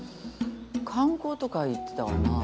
観光とか言ってたがな。